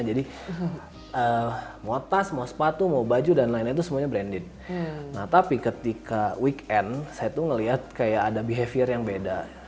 jadi mau tas mau sepatu mau baju dan lainnya itu semuanya branded nah tapi ketika weekend saya tuh ngelihat kayak ada behavior yang beda